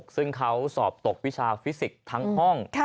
ซึ่งเขาสอบตกวิชาฟิสิกส์ทั้งห้อง